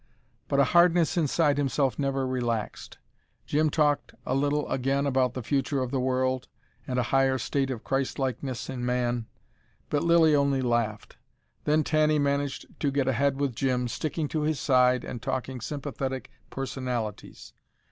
But a hardness inside himself never relaxed. Jim talked a little again about the future of the world, and a higher state of Christlikeness in man. But Lilly only laughed. Then Tanny managed to get ahead with Jim, sticking to his side and talking sympathetic personalities.